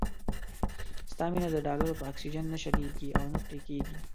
ستا مينه د ډالرو په اکسيجن نه شلېږي او نه پرې کېږي.